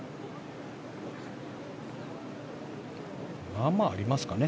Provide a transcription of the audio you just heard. まあまあ、ありますかね。